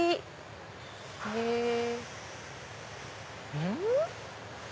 うん？